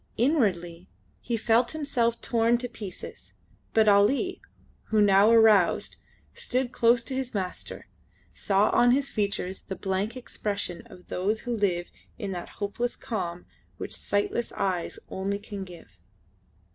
Inwardly he felt himself torn to pieces, but Ali who now aroused stood close to his master, saw on his features the blank expression of those who live in that hopeless calm which sightless eyes only can give.